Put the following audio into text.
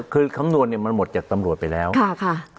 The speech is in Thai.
คือคำนวณเนี่ยมันหมดจากตำรวจไปแล้วค่ะ